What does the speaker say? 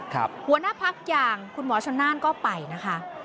หัวหน้าพักอย่างคุณหมอชนน่านก็ไปนะคะ